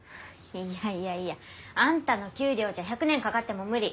いやいやいやあんたの給料じゃ１００年かかっても無理。